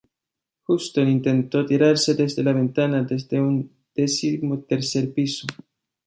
Houston intento tirarse desde la ventana desde un decimotercer piso.